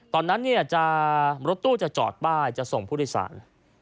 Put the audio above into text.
ตอนนั้นรถตู้จะจอดป้ายจะส่งผู้โดยสาร